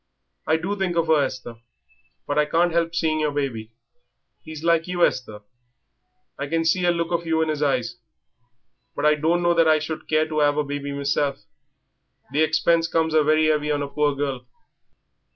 "I do think of her, Esther. But I can't help seeing your baby. He's like you, Esther. I can see a look of you in 'is eyes. But I don't know that I should care to 'ave a baby meself the expense comes very 'eavy on a poor girl."